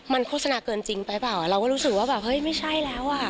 มันโฆษณาเกินจริงไปเปล่าเราก็รู้สึกว่าแบบเฮ้ยไม่ใช่แล้วอ่ะ